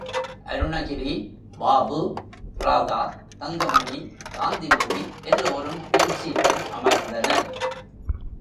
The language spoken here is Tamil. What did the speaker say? அருணகிரி, பாபு, ராதா தங்கமணி, காந்திமதி எல்லோரும் பின் சீட்டில் அமர்ந்தனர்.